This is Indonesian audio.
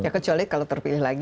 kecuali kalau terpilih lagi